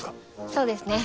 そうですね。